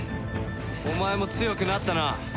お前も強くなったな。